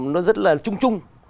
nó rất là trung trung